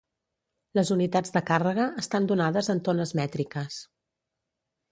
Les unitats de càrrega estan donades en tones mètriques.